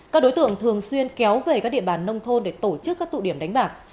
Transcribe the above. các đối tượng thường xuyên kéo về các địa bàn nông thôn để tổ chức các tụ điểm đánh bạc